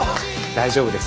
大丈夫です。